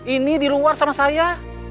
ini di luar sama saya